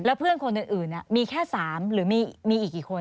เพื่อนคนอื่นมีแค่๓หรือมีอีกกี่คน